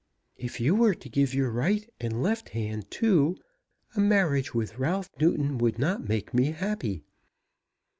"If you were to give your right and left hand too, a marriage with Ralph Newton would not make me happy.